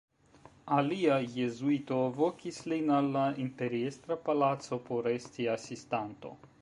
Alia jezuito vokis lin al la imperiestra palaco por esti asistanto.